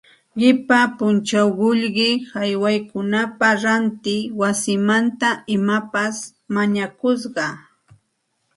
Qipa punchaw qullqi haywaykunapaq ranti wasimanta imapas mañakusqa